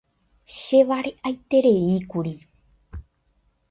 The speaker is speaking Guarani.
Che vare'aitereíkuri.